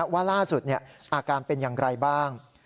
ว่าล่าสุดอาการเป็นอย่างไรบ้าง